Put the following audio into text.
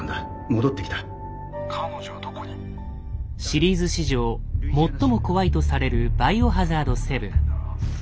シリーズ史上最も怖いとされる「バイオハザード７」。